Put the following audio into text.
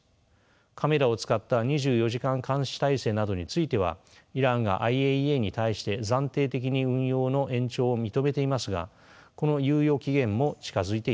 カメラを使った２４時間監視体制などについてはイランがＩＡＥＡに対して暫定的に運用の延長を認めていますがこの猶予期限も近づいています。